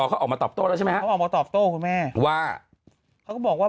เขาออกมาตอบโต้แล้วใช่ไหมฮะเขาออกมาตอบโต้คุณแม่ว่าเขาก็บอกว่า